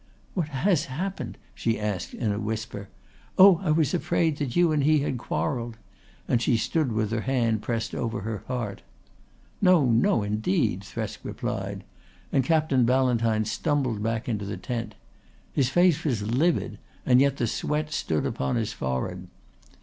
"What has happened?" she asked in a whisper. "Oh, I was afraid that you and he had quarrelled," and she stood with her hand pressed over her heart. "No, no indeed," Thresk replied, and Captain Ballantyne stumbled back into the tent. His face was livid, and yet the sweat stood upon his forehead.